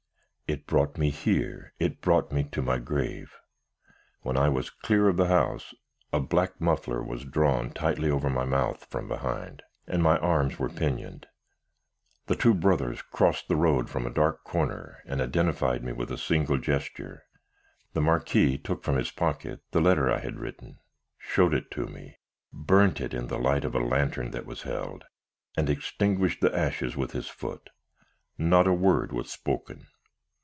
"It brought me here, it brought me to my grave. When I was clear of the house, a black muffler was drawn tightly over my mouth from behind, and my arms were pinioned. The two brothers crossed the road from a dark corner, and identified me with a single gesture. The Marquis took from his pocket the letter I had written, showed it me, burnt it in the light of a lantern that was held, and extinguished the ashes with his foot. Not a word was spoken.